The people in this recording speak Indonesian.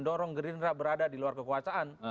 mendorong gerindra berada di luar kekuasaan